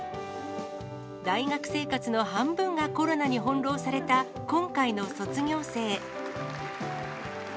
大学生活の半分がコロナに翻弄された今回の卒業生。